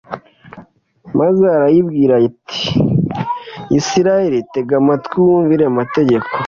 maze arayibwira ati «israheli, tega amatwi wumvire amategeko